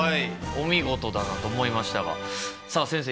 お見事だなと思いましたがさあ先生